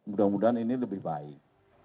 mudah mudahan ini lebih baik